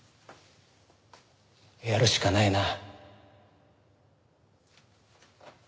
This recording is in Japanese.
やるしかないな。